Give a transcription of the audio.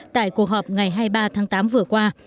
tại cuộc họp ngày hai mươi ba tháng tám vừa qua